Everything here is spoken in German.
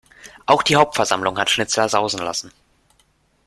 Auch die Hauptversammlung hat Schnitzler sausen lassen.